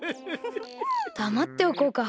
だまっておこうか。